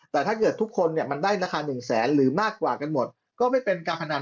แต่ถ้าเกิดทุกคนเนี่ยมันได้ราคาหนึ่งแสนหรือมากกว่ากันหมดก็ไม่เป็นการพนัน